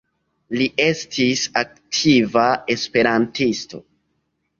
Li estis aktiva esperantisto.